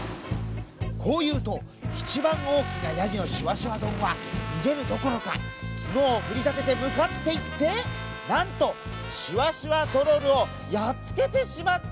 こういうといちばんおおきなヤギのしわしわどんはにげるどころかつのをふりだててむかっていってなんとしわしわトロルをやっつけてしまったのです。